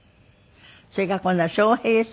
それから今度は笑瓶さんと。